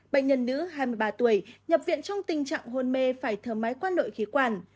bệnh nhân nữ hai mươi ba tuổi nhập viện trong tình trạng hôn mê phải thở máy qua nội khí quản